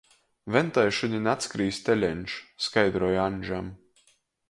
"Ventai šudiņ atskrīs teleņš," skaidroju Aņžam.